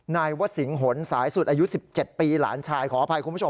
นายวสิงหนสายสุดอายุ๑๗ปีหลานชายขออภัยคุณผู้ชม